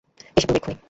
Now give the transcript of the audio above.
এসে পড়বে এক্ষুনি।